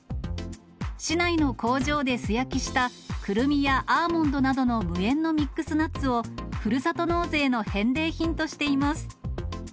市内の工場で素焼きしたくるみやアーモンドなどの無塩のミックスナッツを、ふるさと納税の返礼品としています。